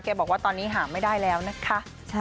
บอกว่าตอนนี้หาไม่ได้แล้วนะคะ